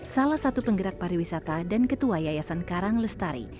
salah satu penggerak pariwisata dan ketua yayasan karang lestari